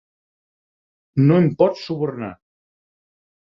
No em pots subornar.